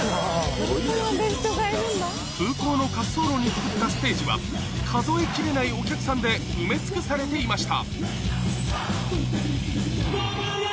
どこまで人がいるんだ？に造ったステージは数えきれないお客さんで埋め尽くされていました